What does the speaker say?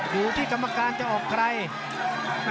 อยู่ที่กรรมการจะออกใคร